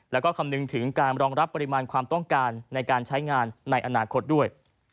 แล้วก็คำนึงถึงการรองรับปริมาณความต้องการในการใช้งานในอนาคตด้วย